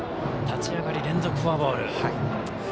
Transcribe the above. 立ち上がり、連続フォアボール。